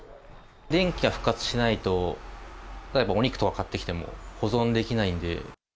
電気が復活しないと、例えばお肉とか買ってきても、保存できないんで。